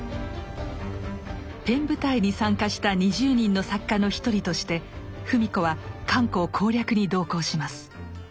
ペン部隊に参加した２０人の作家の一人として芙美子は漢口攻略に同行します。